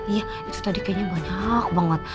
iya itu tadi kayaknya banyak banget